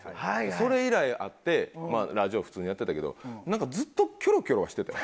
それ以来会ってラジオ普通にやってたけどなんかずっとキョロキョロはしてたよ。